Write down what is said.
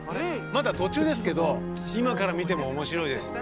まだ途中ですけど今から見ても面白いです。